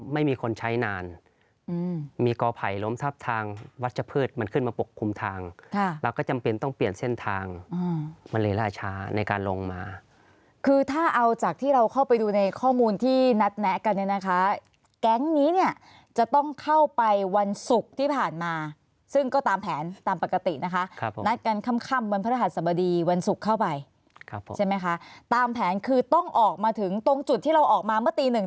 ไม่มีคนใช้นานมีกอภัยล้มทับทางวัชพฤษมันขึ้นมาปกคุมทางแล้วก็จำเป็นต้องเปลี่ยนเส้นทางมันเลยล่าช้าในการลงมาคือถ้าเอาจากที่เราเข้าไปดูในข้อมูลที่นัดแนะกันนะคะแก๊งนี้เนี่ยจะต้องเข้าไปวันศุกร์ที่ผ่านมาซึ่งก็ตามแผนตามปกตินะคะครับนัดกันค่ำบนพระทหารสบดีวันศุกร์เข้าไปใช่ไหมคะตามแ